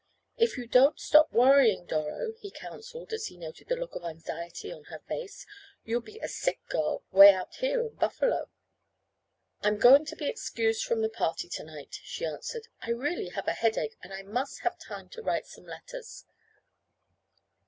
"If you don't stop worrying, Doro," he counseled as he noted the look of anxiety on her face, "you'll be a sick girl 'way out here in Buffalo." "I'm going to be excused from the party to night," she answered. "I really have a headache, and I must have time to write some letters."